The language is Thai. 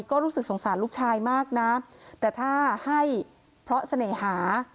ก็รู้สึกสงสารลูกชายมากนะแต่ถ้าให้เพราะเสน่หา